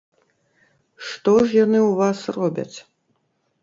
Што ж яны ў вас робяць?